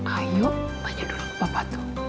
ayo tanya dulu ke papa tuh